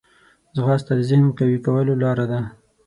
ځغاسته د ذهن قوي کولو لاره ده